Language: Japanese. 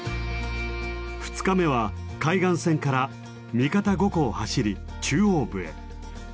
２日目は海岸線から三方五湖を走り中央部へ。